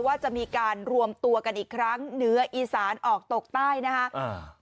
ว่าจะมีการรวมตัวกันอีกครั้งเหนืออีสานออกตกใต้นะคะอ่า